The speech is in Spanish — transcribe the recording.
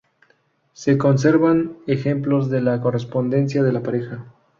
Se conservan ejemplos de la correspondencia de la pareja.